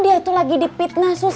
dia tuh lagi dipitna sus